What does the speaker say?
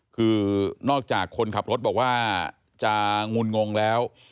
คือนอกจากคนขับรถบอกว่าจะงุนงงแล้ว